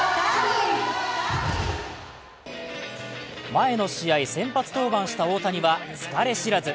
前の試合、先発登板した大谷は疲れ知らず。